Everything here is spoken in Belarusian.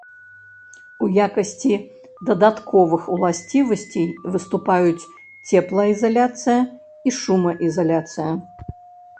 У якасці дадатковых уласцівасцей выступаюць цеплаізаляцыя і шумаізаляцыя.